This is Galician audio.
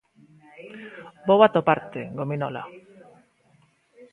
Vou atoparte, Gominola.